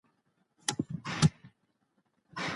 نورو ته اجازه مه ورکوئ چي ستاسو لاره ونیسي.